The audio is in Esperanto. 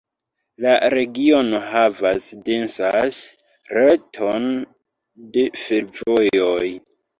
La regiono havas densan reton da fervojoj.